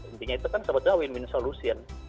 intinya itu kan sebetulnya win win solution